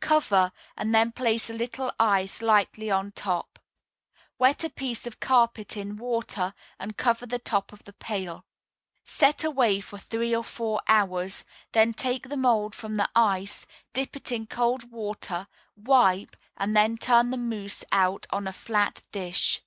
Cover, and then place a little ice lightly on top. Wet a piece of carpet in water, and cover the top of the pail. Set away for three or four hours; then take the mould from the ice, dip it in cold water, wipe, and then turn the mousse out on a flat dish.